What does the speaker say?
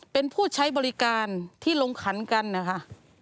เป็นผู้ใช้บริการที่ลงขันกันนะคะ